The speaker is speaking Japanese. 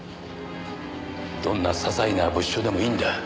どんな些細な物証でもいいんだ。